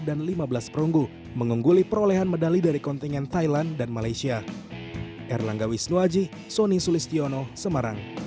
dan lima belas perunggu mengungguli perolehan medali dari kontingen thailand dan malaysia